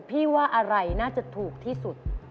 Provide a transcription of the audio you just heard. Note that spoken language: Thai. ว่าอะไรน่าจะถูกที่สุด